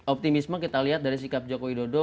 optimisme kita lihat dari sikap joko widodo